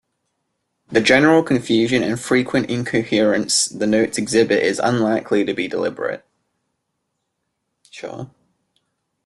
The general confusion and frequent incoherence the notes exhibit is unlikely to be deliberate.